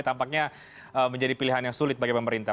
tampaknya menjadi pilihan yang sulit bagi pemerintah